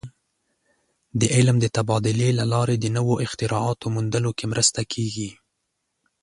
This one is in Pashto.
د علم د تبادلې له لارې د نوو اختراعاتو موندلو کې مرسته کېږي.